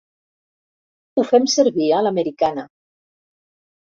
Ho fem servir a l'americana.